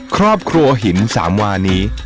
ครอบครัวหินสามวานี้